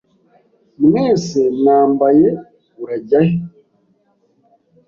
Mwese mwambaye. Urajya he?